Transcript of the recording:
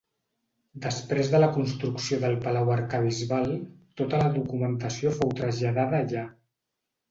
Després de la construcció del Palau arquebisbal tota la documentació fou traslladada allà.